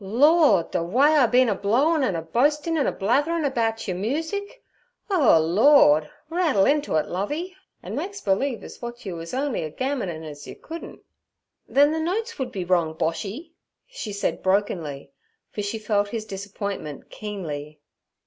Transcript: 'Lord! ther way I been a blowin' an' a boastin' an' a blatherin' about yer moosic. Oh Lord! rattle into it, Lovey, and makes believe es w'at yer wuz on'y a gammonin' ez yer couldn't.' 'Then the notes would be wrong, Boshy' she said brokenly, for she felt his disappointment keenly.